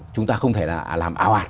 chúng ta không thể là làm ảo ạt